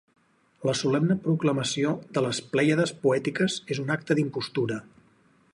La solemne proclamació de les plèiades poètiques és un acte d'impostura.